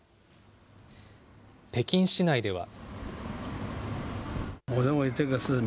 北京市内では。